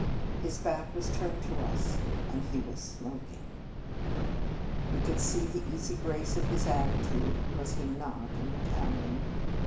His back was turned to us, and he was smoking. We could see the easy grace of his attitude, was he not an Italian